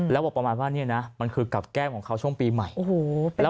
แล้วบอกประมาณว่ามันเกิดกลับแก้มของเขาช่วงปีใหม่